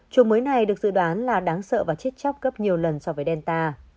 chuồng mới này được dự đoán là đáng sợ và chết chóc gấp nhiều lần so với delta